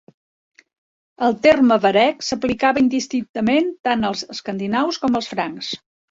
El terme vareg s’aplicava indistintament tant als escandinaus com als francs.